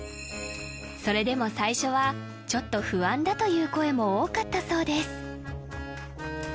それでも最初はちょっと不安だという声も多かったそうです